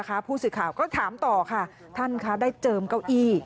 ผู้สื่อข่าวก็ถามต่อค่ะท่านคะได้เจิมเก้าอี้